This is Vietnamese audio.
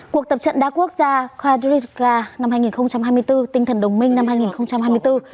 cuộc tập trận đa quốc gia padridca năm hai nghìn hai mươi bốn tinh thần đồng minh năm hai nghìn hai mươi bốn